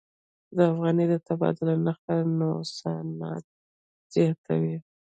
د افغانۍ د تبادلې نرخ نوسانات زیاتوي.